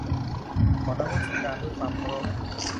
ขอนมัสการด้วยความเคารพ